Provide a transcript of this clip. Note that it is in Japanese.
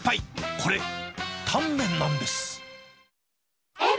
これ、タンメンなんです。